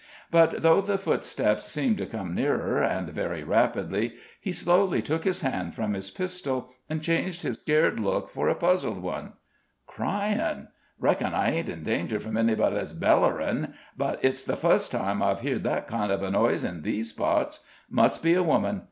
But though the footsteps seemed to come nearer, and very rapidly, he slowly took his hand from his pistol, and changed his scared look for a puzzled one. "Cryin'! Reckon I ain't in danger from anybody that's bellerin'; but it's the fust time I've heerd that kind of a noise in these parts. Must be a woman.